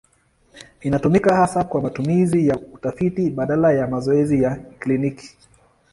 Inatumika hasa kwa matumizi ya utafiti badala ya mazoezi ya kliniki.